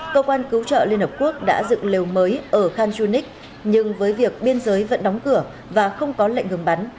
cơ quan cứu trợ liên hợp quốc đã dựng lều mới ở khanjunik nhưng với việc biên giới vẫn đóng cửa và không có lệnh ngừng bắn